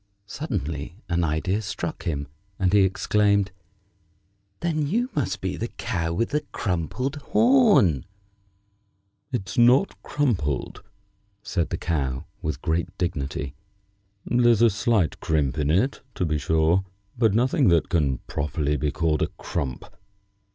Suddenly an idea struck him, and he exclaimed: "Then you must be the Cow with a crumpled horn!" "It's not crumpled," said the Cow, with great dignity. "There's a slight crimp in it, to be sure, but nothing that can properly be called a crump.